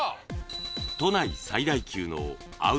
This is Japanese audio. ［都内最大級の］